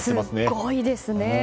すごいですね。